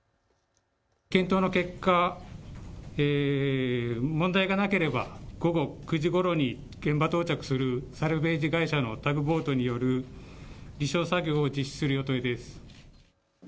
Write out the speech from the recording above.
検討の結果、問題がなければ午後９時ごろに現場到着するサルベージ会社のタグボートによる離礁作業を実施する予定です。